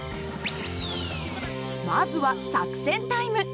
まずは作戦タイム。